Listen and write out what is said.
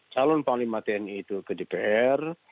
calon panglima tni itu ke dpr